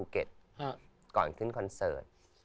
ก่อนขึ้นคอนเสิร์ต